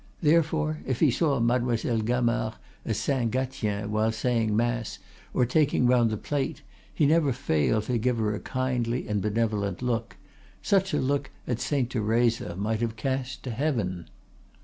Therefore, if he saw Mademoiselle Gamard at Saint Gatien while saying mass or taking round the plate, he never failed to give her a kindly and benevolent look, such a look as Saint Teresa might have cast to heaven.